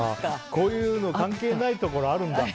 こういうの関係ないところあるんだ。